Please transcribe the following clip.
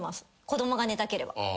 子供が寝たければ。